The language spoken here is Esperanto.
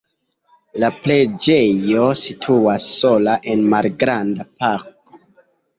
La preĝejo situas sola en malgranda parko.